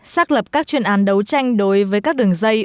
xác lập các chuyên án đấu tranh đối với các đường dây